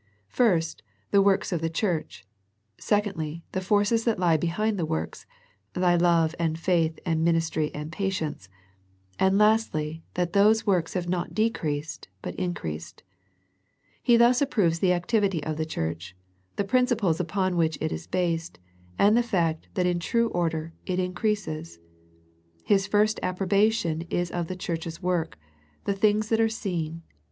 First, the works of the church ; secondly, the forces that lie be hind the works —" thy love and faith and min istry and patience;" and lastly that those works have not decreased but increased. He thus approves the activity of the church, the principles upon which it is based, and the fact that in true order, it increases. His first ap probation is of the church's work, the things that are seen.